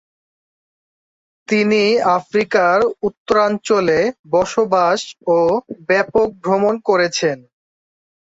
তিনি আফ্রিকার উত্তরাঞ্চলে বসবাস ও ব্যাপক ভ্রমণ করেছেন।